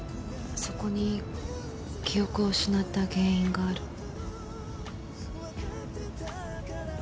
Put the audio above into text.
そこに記憶を失った原因がある。